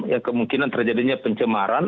yang kemungkinan terjadinya pencemaran